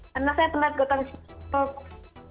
karena saya pernah lihat gotham chess